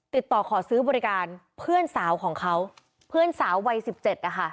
ติดต่อขอซื้อบริการเพื่อนสาวของเขาเพื่อนสาววัยสิบเจ็ดนะคะ